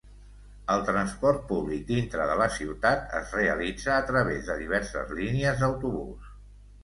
El transport públic dintre de la ciutat es realitza a través de diverses línies d'autobús.